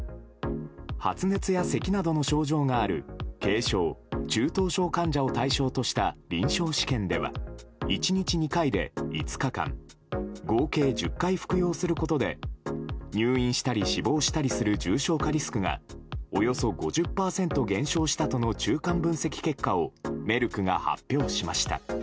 発熱やせきなどの症状がある軽症・中等症患者を対象とした臨床試験では１日２回で５日間合計１０回服用することで入院したり死亡したりする重症化リスクがおよそ５０％減少したとの中間分析結果をメルクが発表しました。